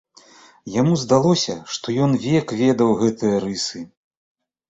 Яму здалося, што ён век ведаў гэтыя рысы!